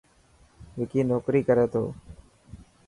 وڪي نوڪري ڪري ٿو.